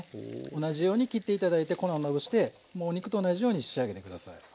同じように切って頂いて粉をまぶしてもう肉と同じように仕上げて下さい。